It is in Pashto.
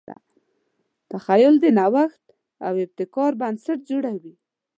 تخیل د نوښت او ابتکار بنسټ جوړوي.